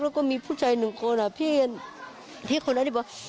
แล้วก็มีผู้ชายหนึ่งคนอ่ะพี่คนนั้นที่บอก